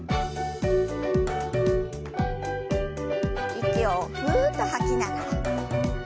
息をふっと吐きながら。